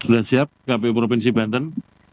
sudah siap kpu provinsi banten